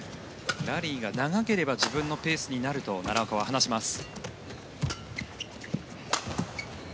ラリーが長ければ自分のペースになると奈良岡は話します。